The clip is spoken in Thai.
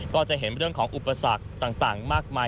ก็จะเห็นเรื่องของอุปสรรคต่างมากมาย